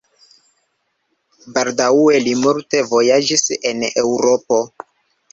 Baldaŭe li multe vojaĝis en Eŭropo.